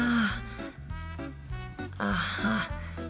ああ。